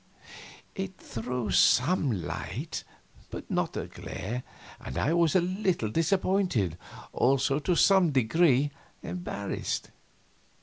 It threw some light, but not a glare, and I was a little disappointed, also to some degree embarrassed.